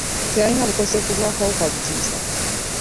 Teyalina bukosefu bwa kawuka butiisa.